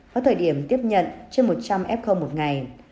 có thời điểm tiếp nhận trên một trăm linh f một ngày